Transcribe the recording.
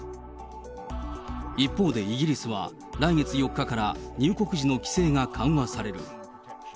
一方でイギリスは、来月４日から入国時の規制が緩和される。